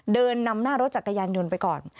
เดินนำหน้ารถจักรยานยนต์ไปก่อน